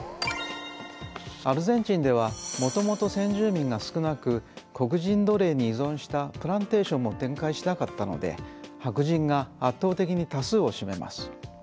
アルゼンチンではもともと先住民が少なく黒人奴隷に依存したプランテーションも展開しなかったので白人が圧倒的に多数を占めます。